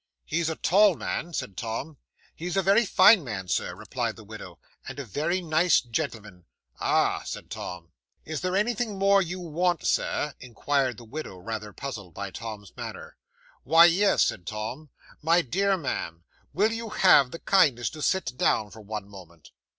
'"He's a tall man," said Tom. '"He is a very fine man, Sir," replied the widow, "and a very nice gentleman." '"Ah!" said Tom. '"Is there anything more you want, Sir?" inquired the widow, rather puzzled by Tom's manner. '"Why, yes," said Tom. "My dear ma'am, will you have the kindness to sit down for one moment?"